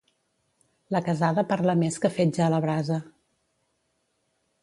La casada parla més que fetge a la brasa.